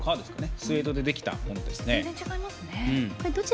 スエードでできたものですね。